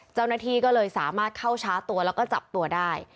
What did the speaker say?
เจ้าหน้าที่ก็เลยสามารถเข้าช้าตัวแล้วก็จับตัวได้